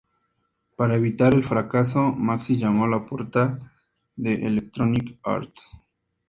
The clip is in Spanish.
Para evitar el fracaso Maxis llamó a la puerta de Electronic Arts.